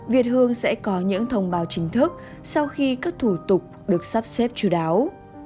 việt hương sẽ có những thông báo chính thức sau khi các thủ tục được sắp xếp chú đáo